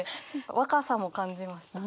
若さも感じました。